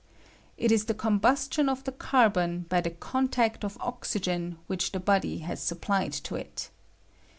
It is the combustion of the carbon by the contact of oxjgcn which the body has supplied to it.